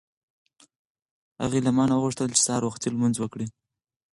هغې له ما نه وغوښتل چې سهار وختي لمونځ وکړه.